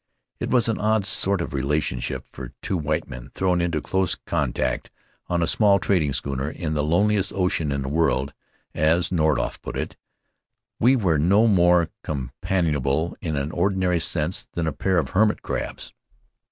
It was an odd sort of relationship for two white men thrown into close con tact on a small trading schooner in the loneliest ocean in the world, as Nordhoff put it. We were no more companionable in the ordinary sense than a pair of hermit crabs.